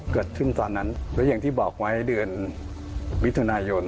ตอนนั้นแล้วอย่างที่บอกไว้เดือนมิถุนายน